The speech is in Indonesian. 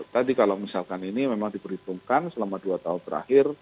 tadi kalau misalkan ini memang diperhitungkan selama dua tahun terakhir